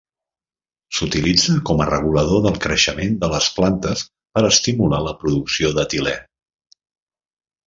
S'utilitza com a regulador del creixement de les plantes per estimular la producció d'etilè.